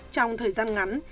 trong thời gian ngắn